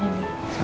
selamat sore bu